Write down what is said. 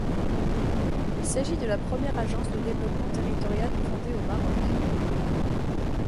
Il s'agit de la première agence de développement territorial fondée au Maroc.